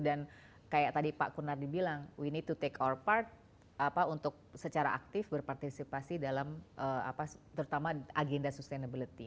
dan kayak tadi pak kurnardi bilang kita harus mengambil bagian kita untuk secara aktif berpartisipasi dalam terutama agenda sustainability